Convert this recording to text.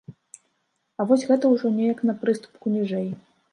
А вось гэта ўжо неяк на прыступку ніжэй.